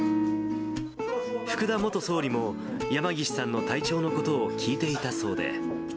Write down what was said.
福田元総理も、山岸さんの体調のことを聞いていたそうで。